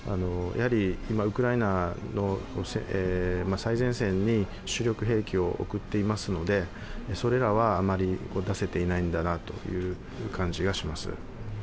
今ウクライナの最前線に主力兵器を送っていますので、それらはあまり渡せていないんだなという感じがします。